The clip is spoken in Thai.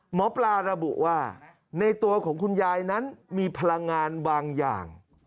หมอปลาระบุว่าในตัวของคุณยายนั้นมีพลังงานบางอย่าง